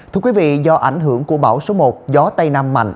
thưa quý vị do ảnh hưởng của bão số một gió tây nam mạnh